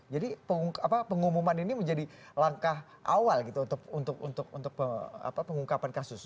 jadi pengumuman ini menjadi langkah awal untuk pengungkapan kasus